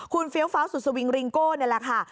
คุณเฟี้ยวฟ้าสุดสวิงริงโก้นี่แหละค่ะ